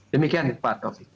demikian pak taufik